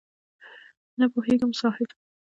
نه پوهېږم صاحب؟!